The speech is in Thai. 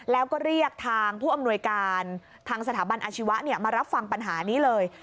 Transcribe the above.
แล้วก็เรียกทางผู้อำนวยการทางสถาบันอาชีวะมารับฟังปัญหานี้เลย